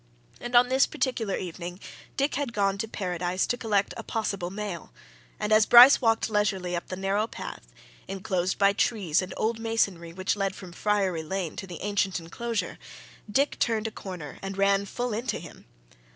And on this particular evening Dick had gone to Paradise to collect a possible mail, and as Bryce walked leisurely up the narrow path, enclosed by trees and old masonry which led from Friary Lane to the ancient enclosure, Dick turned a corner and ran full into him.